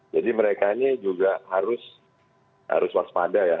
jadi mereka ini juga harus waspada ya